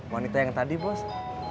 wanita yang tadi bos